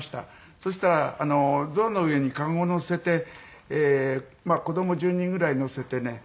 そしたらゾウの上に籠を載せてまあ子供１０人ぐらい乗せてね